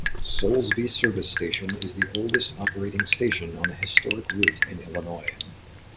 Soulsby Service Station is the oldest operating station on the historic route in Illinois.